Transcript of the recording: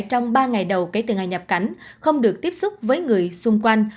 trong ba ngày đầu kể từ ngày nhập cảnh không được tiếp xúc với người xung quanh